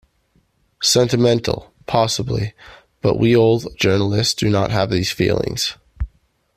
Sentimental, possibly, but we old journalists do have these feelings.